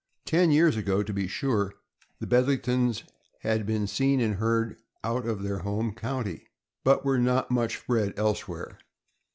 Ten years ago, to be sure, the Bedlingtons had been seen and heard of out of their home county, but were not much bred elsewhere.